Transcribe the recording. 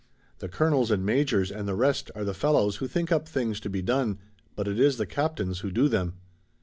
The colonels and majors and the rest are the fellows who think up things to be done, but it is the captains who do them.